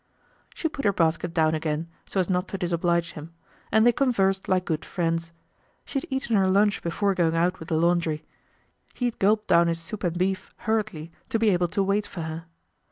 She put her basket down again, so as not to disoblige him; and they conversed like good friends. She had eaten her lunch before going out with the laundry. He had gulped down his soup and beef hurriedly to be able to wait for her.